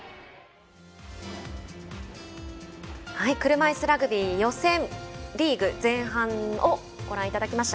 車いすラグビー予選リーグ前半をご覧いただきました。